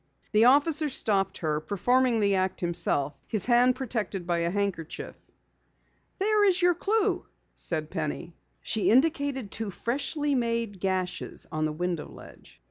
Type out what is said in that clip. The officer stopped her, performing the act himself, his hand protected by a handkerchief. "There is your clue," said Penny. She indicated two freshly made gashes on the window ledge.